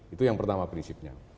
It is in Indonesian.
itu yang pertama prinsipnya